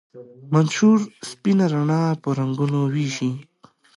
منشور سپینه رڼا په رنګونو ویشي.